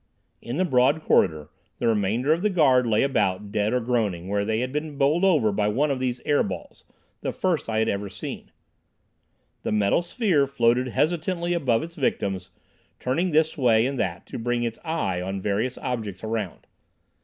In the broad corridor, the remainder of the guard lay about, dead or groaning, where they had been bowled over by one of these air balls, the first I had ever seen. The metal sphere floated hesitantly above its victims, turning this way and that to bring its "eye" on various objects around.